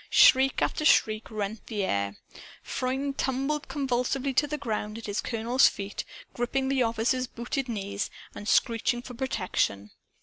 Shriek after shriek rent the air. Freund tumbled convulsively to the ground at his colonel's feet, gripping the officer's booted knees and screeching for protection.